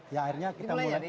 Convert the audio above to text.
ya akhirnya kita mulai